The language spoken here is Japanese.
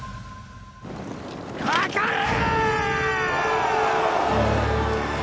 かかれ！